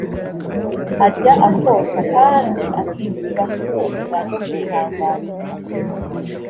ajya akosa kandi akifuza kumvwa no kwihanganirwa.